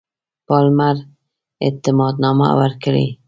پالمر اعتماد نامه ورکړي.